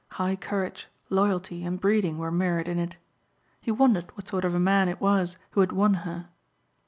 High courage, loyalty and breeding were mirrored in it. He wondered what sort of a man it was who had won her.